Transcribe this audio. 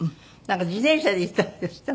自転車で行ったんですって？